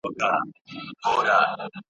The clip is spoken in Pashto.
چي د حسن یې ټول مصر خریدار دی !.